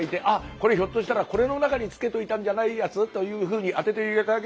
これひょっとしたらこれの中に漬けといたんじゃないやつ？というふうに当てて頂けたら幸いでございます。